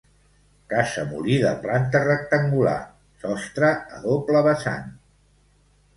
Casa molí de planta rectangular sostre a doble vessant.